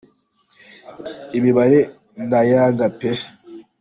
imibare ndayanga pe